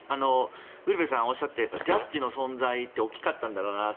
ウルヴェさんがおっしゃったようにジャッジの存在って大きかったんだろうなと。